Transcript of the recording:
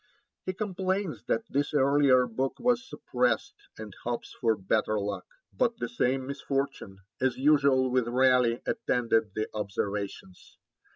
He complains that this earlier book was suppressed, and hopes for better luck; but the same misfortune, as usual with Raleigh, attended the Observations.